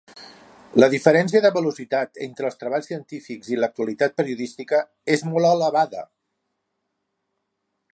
La diferència de velocitat entre els treballs científics i l'actualitat periodística és molt elevada.